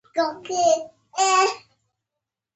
همدا ده چې فرصت له لاسه ورکوي.